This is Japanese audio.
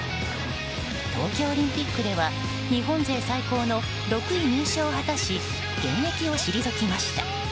東京オリンピックでは日本勢最高の６位入賞を果たし現役を退きました。